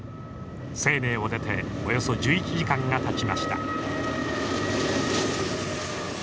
西寧を出ておよそ１１時間がたちました。